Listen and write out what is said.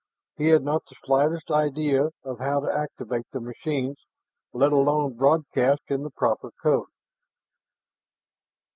He had not the slightest idea of how to activate the machines, let alone broadcast in the proper code.